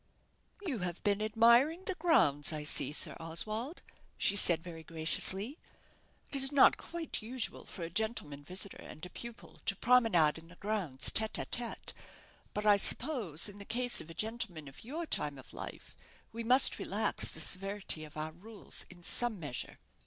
"You have been admiring the grounds, I see, Sir Oswald," she said, very graciously. "It is not quite usual for a gentleman visitor and a pupil to promenade in the grounds tête à tête; but I suppose, in the case of a gentleman of your time of life, we must relax the severity of our rules in some measure."